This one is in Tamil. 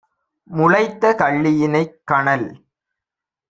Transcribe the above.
முளைத்த கள்ளியினைக் - கனல்